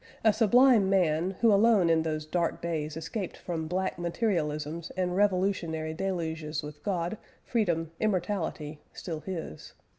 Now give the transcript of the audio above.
A sublime man, who alone in those dark days escaped from black materialisms and revolutionary deluges with God, Freedom, Immortality, still his.